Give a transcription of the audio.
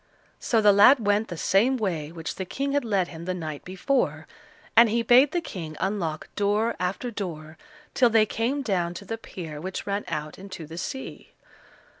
So the lad went the same way which the King had led him the night before, and he bade the King unlock door after door till they came down to the pier which ran out into the sea.